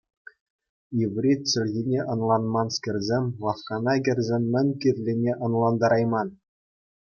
Иврит чӗлхине ӑнланманскерсем лавккана кӗрсен мӗн кирлине ӑнлантарайман.